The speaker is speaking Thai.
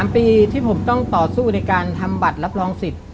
๓ปีที่ผมต้องต่อสู้ในการทำบัตรรับรองสิทธิ์